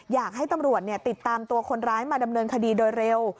อยากให้ตำรวจติดตามตัวคนร้ายมาดำเนินคดีโดยเร็ว